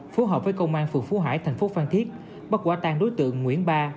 phù hợp với công an phường phú hải thành phố phan thiết bắt quả tàn đối tượng nguyễn ba